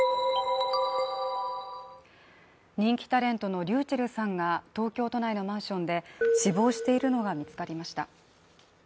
人気タレントのｒｙｕｃｈｅｌｌさんが東京都内のマンションで死亡しているのが見つかりました。